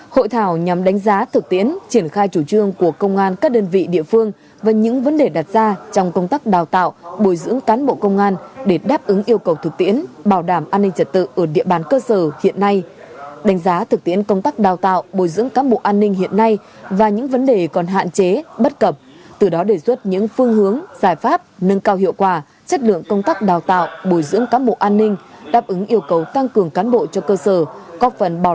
hội thảo nhằm đánh giá thực tiễn triển khai chủ trương của công an các đơn vị địa phương và những vấn đề đặt ra trong công tác đào tạo bồi dưỡng cán bộ công an để đáp ứng yêu cầu thực tiễn bảo đảm an ninh trật tự ở địa bàn cơ sở hiện nay đánh giá thực tiễn công tác đào tạo bồi dưỡng cán bộ an ninh hiện nay và những vấn đề còn hạn chế bất cập từ đó đề xuất những phương hướng giải pháp nâng cao hiệu quả chất lượng công tác đào tạo bồi dưỡng cán bộ an ninh đáp ứng yêu cầu tăng cường cán bộ cho